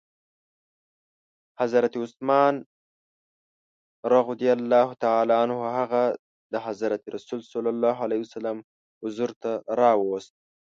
حضرت عثمان هغه د حضرت رسول ص حضور ته راووست.